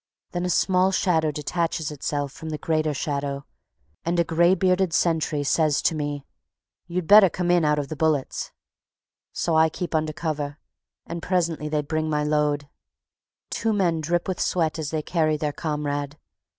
Then a small shadow detaches itself from the greater shadow, and a gray bearded sentry says to me: "You'd better come in out of the bullets." So I keep under cover, and presently they bring my load. Two men drip with sweat as they carry their comrade.